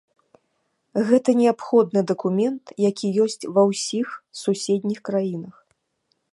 Гэта неабходны дакумент, які ёсць ва ўсіх суседніх краінах.